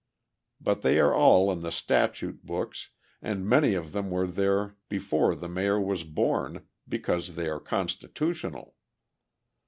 But they are all in the statute books, and many of them were there before the Mayor was born, because they are constitutional.